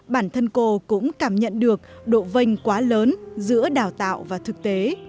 bản thân cô cũng cảm nhận được độ vênh quá lớn giữa đào tạo và thực tế